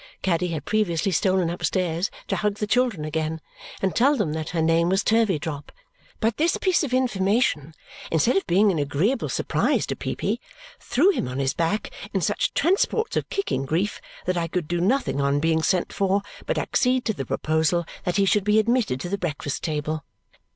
Caddy had previously stolen upstairs to hug the children again and tell them that her name was Turveydrop. But this piece of information, instead of being an agreeable surprise to Peepy, threw him on his back in such transports of kicking grief that I could do nothing on being sent for but accede to the proposal that he should be admitted to the breakfast table.